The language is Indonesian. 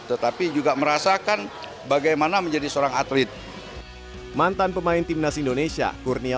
tetapi juga merasakan bagaimana menjadi seorang atlet mantan pemain timnas indonesia kurnia